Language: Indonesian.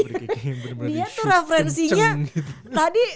dia tuh referensinya tadi